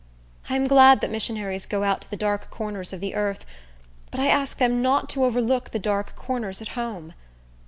I am glad that missionaries go out to the dark corners of the earth; but I ask them not to overlook the dark corners at home.